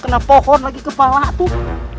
kena pohon lagi kepala tuh